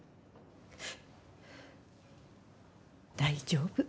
大丈夫。